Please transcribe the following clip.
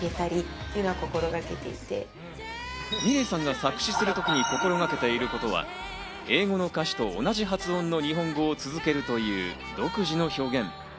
ｍｉｌｅｔさんが作詞するときに心がけていることは、英語の歌詞と同じ発音の日本語を続けるという独自の表現。